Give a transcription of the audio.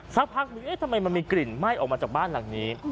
สักพักทำไมมันมีกลิ่นไหม้ออกมาจากบ้านหลังนี้